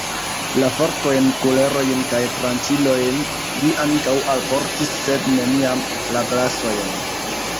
La forkojn, kulerojn kaj tranĉilojn li ankaŭ alportis, sed neniam la glasojn.